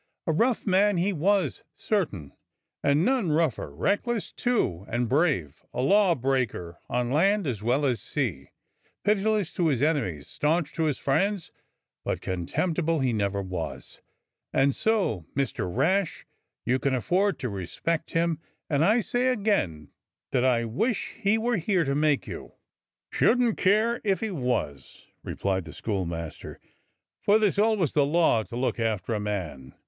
A rough man he was, certain, and none rougher, reck less, too, and brave, a lawbreaker on land as well as sea, pitiless to his enemies, staunch to his friends, but con temptible he never was; and so, Mister Rash, you can afford to respect him, and I say again that I wish he were here to make you." "Shouldn't care if he was," replied the schoolmaster, '*for there's always the law to look after a man."